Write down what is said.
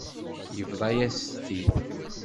Yebḍa-yas-t-id.